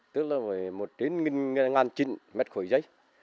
tức là với một tín nghìn ngàn chinh mét khỏi giấy